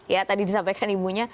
ya tadi disampaikan ibunya